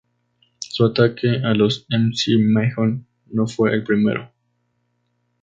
Su ataque a los McMahon no fue el primero.